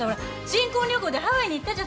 新婚旅行でハワイに行ったじゃん。